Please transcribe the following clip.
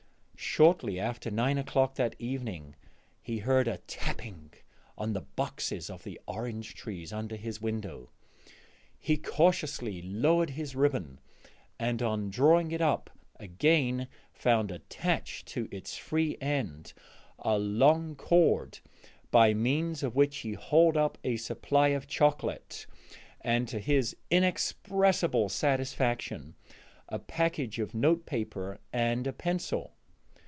Shortly after nine o'clock that evening he heard a tapping on the boxes of the orange trees under his window; he cautiously lowered his ribbon, and on drawing it up again found attached to its free end a long cord by means of which he hauled up a supply of chocolate, and, to his inexpressible satisfaction, a package of note paper and a pencil.